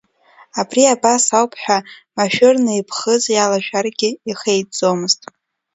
Абри абас ауп ҳәа, машәырны иԥхыӡ иалашәаргьы ихеиҵомызт.